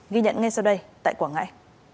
ghi nhận ngay sau đây tại quảng ngãi